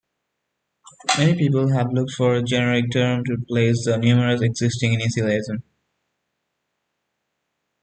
Many people have looked for a generic term to replace the numerous existing initialisms.